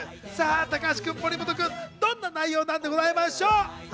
高橋君、森本君、どんな内容なんでございましょう？